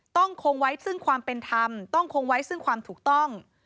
คงไว้ซึ่งความเป็นธรรมต้องคงไว้ซึ่งความถูกต้อง